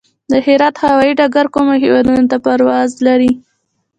د هرات هوايي ډګر کومو هیوادونو ته پرواز لري؟